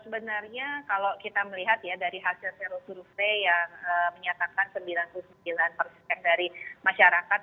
sebenarnya kalau kita melihat ya dari hasil seru survei yang menyatakan sembilan puluh sembilan persen dari masyarakat